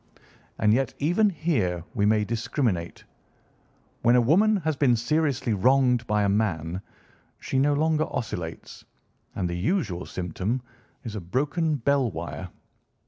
And yet even here we may discriminate. When a woman has been seriously wronged by a man she no longer oscillates, and the usual symptom is a broken bell wire.